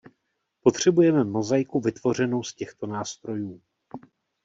Potřebujeme mozaiku vytvořenou z těchto nástrojů.